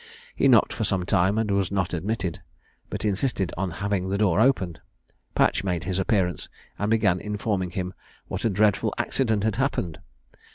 He knocked for some time and was not admitted; but insisting on having the door opened, Patch made his appearance, and began informing him what a dreadful accident had happened.